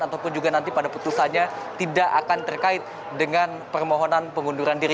ataupun juga nanti pada putusannya tidak akan terkait dengan permohonan pengunduran diri